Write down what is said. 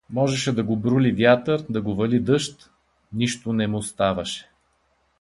Можеше да го брули вятър, да го вали дъжд — нищо не му ставаше.